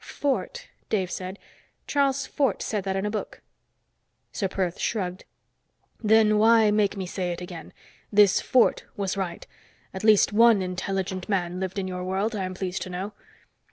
"Fort," Dave said. "Charles Fort said that in a book." Ser Perth shrugged. "Then why make me say it again? This Fort was right. At least one intelligent man lived in your world, I'm pleased to know.